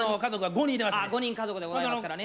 ５人家族でございますからね。